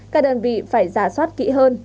các đơn vị phải giả soát kỹ hơn